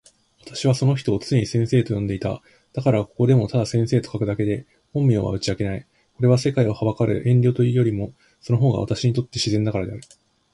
私はその人を常に先生と呼んでいた。だから、ここでもただ先生と書くだけで、本名は打ち明けない。これは、世界を憚る遠慮というよりも、その方が私にとって自然だからである。